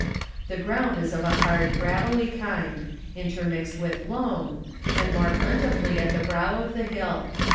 The ground is of a hard gravelly kind, intermixed with loam, and more plentifully at the brow of the hill.